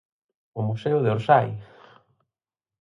¡O museo de Orsay!